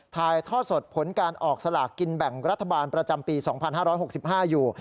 ถ่ายท่อสดผลการออกสลากกินแบ่งรัฐบาลประจำปี๒๕๖๕อยู่